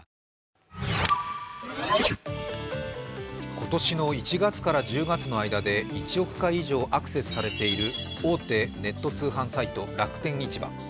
今年の１月１０月の間で１億回以上アクセスされている大手ネット通販サイト・楽天市場。